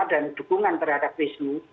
dan dukungan terhadap rismu